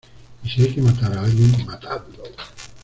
¡ y si hay que matar a alguien, matadlo!